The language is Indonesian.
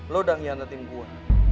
lo udah ngianetin gua